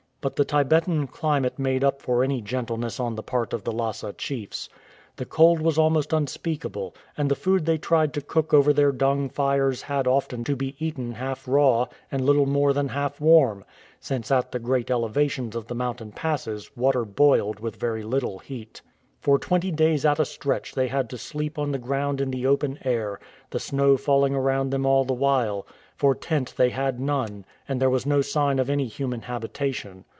But the Tibetan climate made up for any gentleness on the part of the Lhasa chiefs. The cold was almost unspeakable, and the food they tried to cook over their dung fires had often to be eaten half raw and little more than half warm, since at the great elevations of the mountain passes water boiled with very little heat. For twenty days at a stretch they Imd to sleep on the ground in the open air, the snow falling around them all the while ; for tent they had none, and there was no sign of any human habitation.